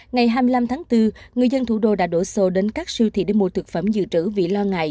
ngày hai mươi năm tháng bốn người dân thủ đô đã đổ xô đến các siêu thị để mua thực phẩm dự trữ vì lo ngại